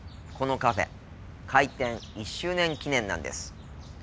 このカフェ開店１周年記念なんです。